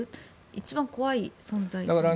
一番怖い存在ですよね。